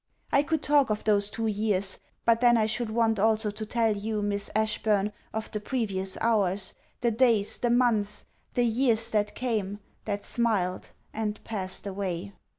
I could talk of those two years: but then I should want also to tell you, Miss Ashburn, of the previous hours, the days, the months, the years that came, that smiled, and passed away.